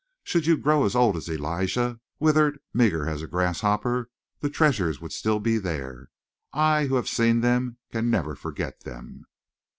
Should you grow as old as Elijah, withered, meager as a grasshopper, the treasures would still be there. I, who have seen them, can never forget them!"